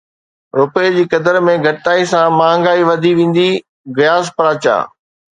رپئي جي قدر ۾ گهٽتائي سان مهانگائي وڌي ويندي، غياث پراچا